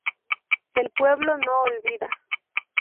El pueblo no olvida.